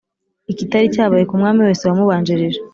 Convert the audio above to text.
ikitari cyabaye ku mwami wese wamubanjirije.